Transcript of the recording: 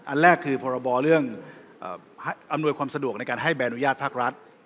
อันแรกคือพรบเรื่องอำนวยความสะดวกในการให้ใบอนุญาตภาครัฐ